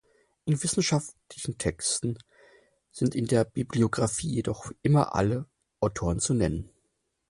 In wissenschaftlichen Texten sind in der Bibliografie jedoch immer alle Autoren zu nennen.